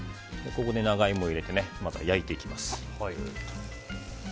ここで長イモを入れて焼いていきます。